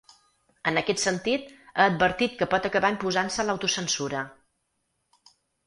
En aquest sentit, ha advertit que pot acabar imposant-se l’autocensura.